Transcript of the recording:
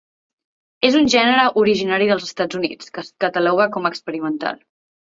És un gènere originari dels Estats Units, que es cataloga com a experimental.